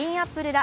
ら